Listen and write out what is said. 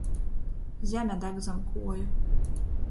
Zeme dag zam kuoju.